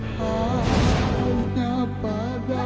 pak ini juga bagus pak